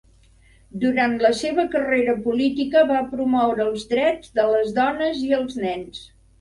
Durant la seva carrera política va promoure els drets de les dones i els nens.